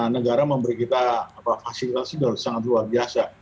negara memberi kita fasilitas yang sangat luar biasa